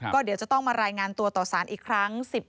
ก็เดี๋ยวจะต้องมารายงานตัวต่อสารอีกครั้ง